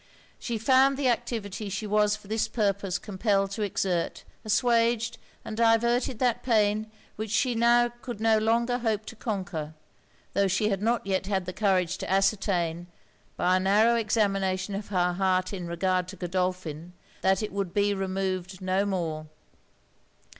She found the activity she was for this purpose compelled to exert, assuaged and diverted that pain which she now could no longer hope to conquer, tho' she had not yet had the courage to ascertain, by a narrow examination of her heart in regard to Godolphin, that it would be removed no more.